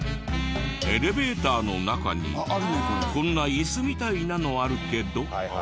エレベーターの中にこんな椅子みたいなのあるけど。